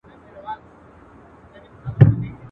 پخوانيو زمانو كي يو لوى ښار وو.